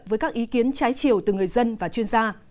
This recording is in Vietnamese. với các ý kiến trái chiều từ người dân và chuyên gia